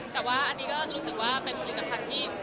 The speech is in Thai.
แต่ว่าอันนี้ก็รู้สึกว่าเป็นผลิตภัณฑ์ที่